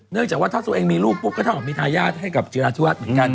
เนื่องจากว่าถ้าตัวเองมีลูกปุ๊บก็ถ้าหวัดมีทายาทให้กับเจราชวัตรเหมือนกัน